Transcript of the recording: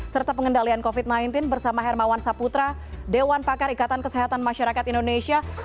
serta pengendalian covid sembilan belas bersama hermawan saputra dewan pakar ikatan kesehatan masyarakat indonesia